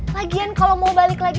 lagian kalau mau balik lagi